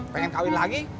pengen kawin lagi